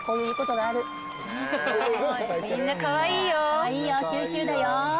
カワイイよヒューヒューだよ。